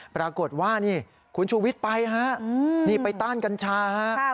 ปรากฏว่านี่คุณชูวิทย์ไปฮะนี่ไปต้านกัญชาฮะ